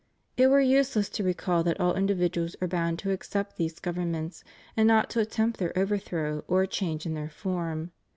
It were useless to recall that all individuals are bound to accept these governments and not to attempt their over throw or a change in their form.